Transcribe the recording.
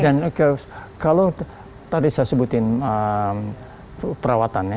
dan kalau tadi saya sebutin perawatannya